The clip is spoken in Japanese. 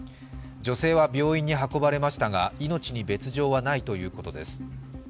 女性は病院に運ばれましたが、命に別状はないということです。